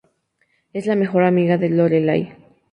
Es la mejor amiga de Lorelai.